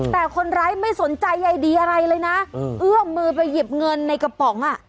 แต่คนร้ายไม่สนใจใยดีอะไรเลยนะเอื้อมมือไปหยิบเงินในกระป๋องอ่ะ